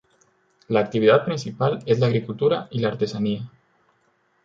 La actividad principal es la agricultura y la artesanía.